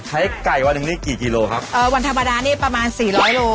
ไก่วันหนึ่งนี่กี่กิโลครับเอ่อวันธรรมดานี่ประมาณสี่ร้อยโล